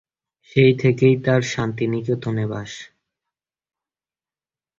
সেই থেকেই তার শান্তিনিকেতনে বাস।